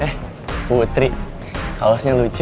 eh putri kalosnya lucu